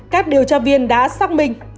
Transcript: các điều tra viên đã xác minh